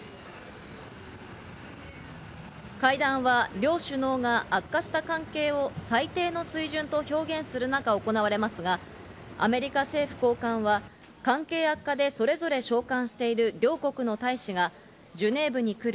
会談は、両首脳が悪化した関係を最低の水準と表現とする中、行われますがアメリカ政府高官は関係悪化でそれぞれ召還している両国の大使がジュネーブに来る。